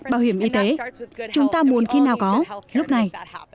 bảo hiểm y tế chúng ta muốn khi nào có lúc này